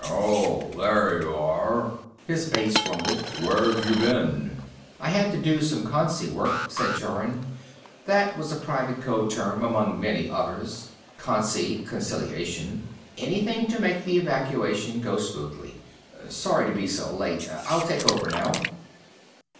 "Oh, there you are," his bass rumbled. "Where've you been?" "I had to do some concy work," said Jorun. That was a private code term, among others: concy, conciliation, anything to make the evacuation go smoothly. "Sorry to be so late. I'll take over now."